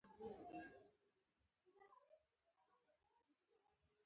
خولۍ د سر نه د لمر مخه نیسي.